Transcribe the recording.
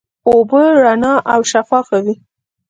اوبه رڼا او شفافه وي.